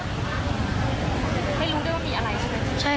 ไม่รู้ด้วยว่ามีอะไรใช่ไหม